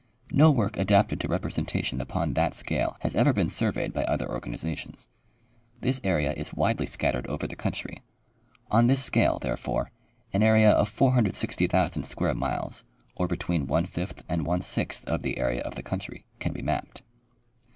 No work adapted to representation upon that scale has ever been surveyed by other organizations. This area is widely scattered over the country. On this scale, therefore, an area of 460,000 square miles, or between one fifth and one sixth of the area of the country, can be mapped.